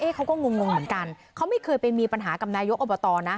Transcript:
เขาก็งงเหมือนกันเขาไม่เคยไปมีปัญหากับนายกอบตนะ